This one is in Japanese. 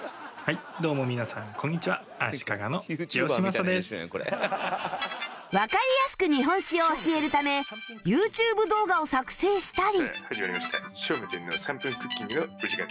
そんな池田先生はわかりやすく日本史を教えるため ＹｏｕＴｕｂｅ 動画を作成したり